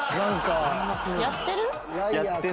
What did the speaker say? やってる？